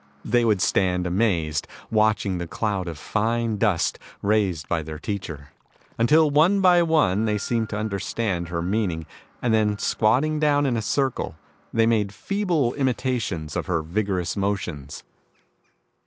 They would stand amazed, watching the cloud of fine dust raised by their teacher, until one by one, they seemed to understand her meaning and then squatting down in a circle, they made feeble imitations of her vigorous motions.